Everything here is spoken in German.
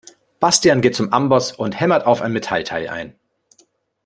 Bastian geht zum Amboss und hämmert auf ein Metallteil ein.